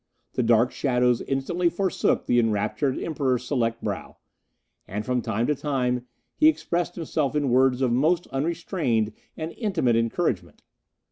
The dark shadows instantly forsook the enraptured Emperor's select brow, and from time to time he expressed himself in words of most unrestrained and intimate encouragement.